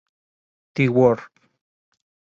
The Work.